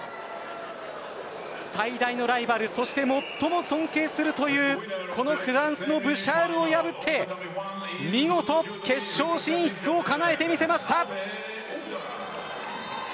最大のライバルそして最も尊敬するというこのフランスのブシャールを破って見事、決勝進出をかなえてみせました。